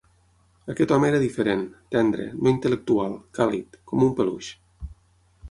Aquest home era diferent: tendre, no intel·lectual, càlid, com un peluix.